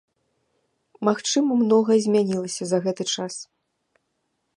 Магчыма, многае змянілася за гэты час.